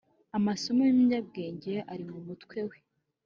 Amaso y umunyabwenge ari mu mutwe we